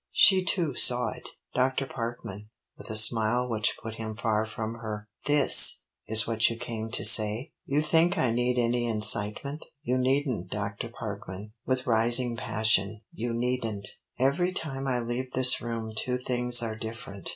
She too saw it. "Dr. Parkman," with a smile which put him far from her "this is what you came to say? You think I need any incitement? You needn't, Dr. Parkman," with rising passion "you needn't. Every time I leave this room two things are different.